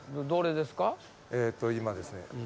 今ですね